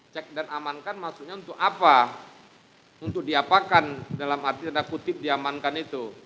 cek dan amankan maksudnya untuk apa untuk diapakan dalam arti tanda kutip diamankan itu